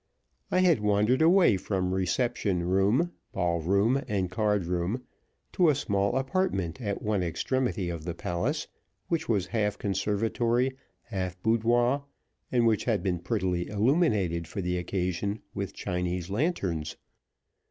I had wandered away from reception room, ballroom, and cardroom, to a small apartment at one extremity of the palace, which was half conservatory, half boudoir, and which had been prettily illuminated for the occasion with Chinese lanterns.